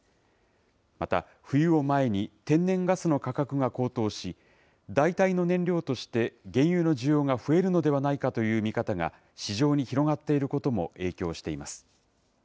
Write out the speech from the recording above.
また、冬を前に、天然ガスの価格が高騰し、代替の燃料として原油の需要が増えるのではないかという見方が市場に広がっていることも影響しています。